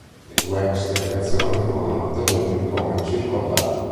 Le due ex delegazioni furono mantenute come circondari.